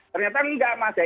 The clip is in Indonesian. ternyata tidak ada